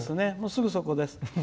すぐそこです。